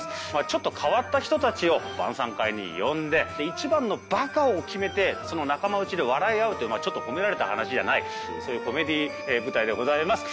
ちょっと変わった人たちを晩餐会に呼んで一番のバカを決めてその仲間内で笑い合うというちょっと褒められた話じゃないそういうコメディー舞台でございます。